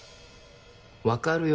わかるよ